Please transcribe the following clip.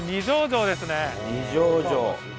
二条城！